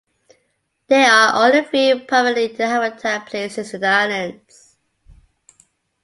There are only three permanently inhabited places in the islands.